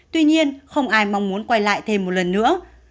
tuy nhiên không ai mong muốn quay lại thêm một lần nữa